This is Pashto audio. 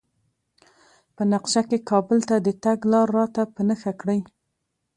په نقشه کې کابل ته د تګ لار راته په نښه کړئ